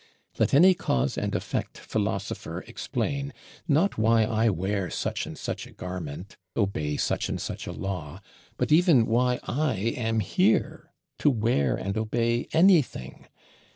Let any Cause and Effect Philosopher explain, not why I wear such and such a Garment, obey such and such a Law; but even why I am here, to wear and obey anything!